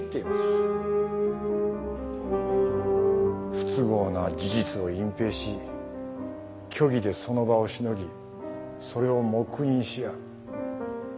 不都合な事実を隠蔽し虚偽でその場をしのぎそれを黙認し合う。